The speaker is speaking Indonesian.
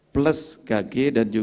kalau kita melihat dallius